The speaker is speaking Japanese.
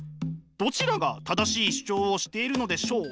どちらが正しい主張をしているのでしょう？